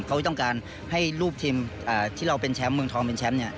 เขาต้องการให้รูปทีมที่เราเป็นแชมป์เมืองทองเป็นแชมป์เนี่ย